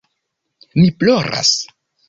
Mi ploras.